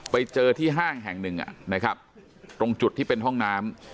ไปเจอที่ห้างแห่งหนึ่งนะครับตรงจุดที่เป็นห้องน้ำ